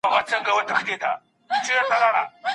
هغه تر بل چا له ډاره اوږده لاره د اتڼ لپاره ژر وهي.